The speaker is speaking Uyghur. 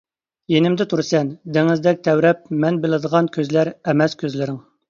يېنىمدا تۇرىسەن، دېڭىزدەك تەۋرەپ مەن بىلىدىغان كۆزلەر ئەمەس كۆزلىرىڭ.